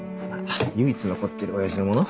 唯一残ってる親父のもの。